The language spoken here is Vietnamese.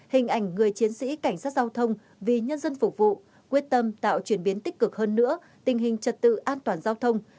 hình ảnh người chiến sĩ cảnh sát giao thông vì nhân dân phục vụ quyết tâm tạo chuyển biến tích cực hơn nữa tình hình trật tự an toàn giao thông